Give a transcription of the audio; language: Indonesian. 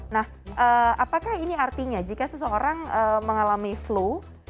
nah apakah ini artinya jika seseorang mengalami flu